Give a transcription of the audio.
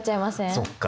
そっか。